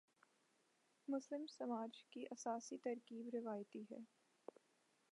مسلم سماج کی اساسی ترکیب روایتی ہے۔